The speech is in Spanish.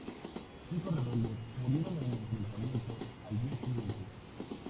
Cinco rebeldes murieron en enfrentamientos al día siguiente.